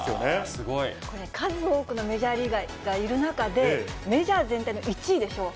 すごい。数多くのメジャーリーガーがいる中で、メジャー全体の１位でしょう？